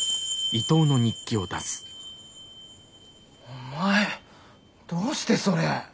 お前どうしてそれ！